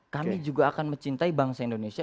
kami juga akan mencintai bangsa indonesia